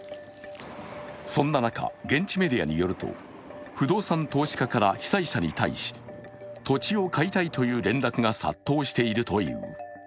そんな中、現地メディアによると不動産投資家から被災者に対し土地を買いたいという連絡が殺到しているという。